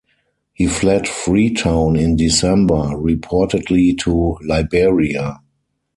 He fled Freetown in December, reportedly to Liberia.